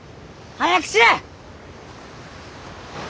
早くしれ！